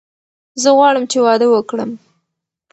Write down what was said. زه غواړم چې واده وکړم.